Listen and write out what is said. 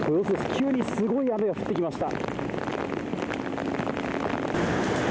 急にすごい雨が降ってきました。